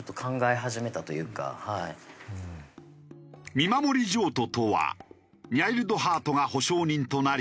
見守り譲渡とはにゃいるどはーとが保証人となり